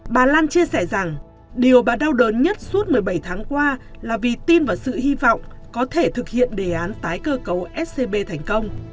bà lan chia sẻ rằng điều bà đau đớn nhất suốt một mươi bảy tháng qua là vì tin vào sự hy vọng có thể thực hiện đề án tái cơ cấu scb thành công